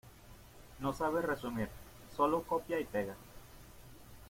No sabe resumir, sólo copia y pega.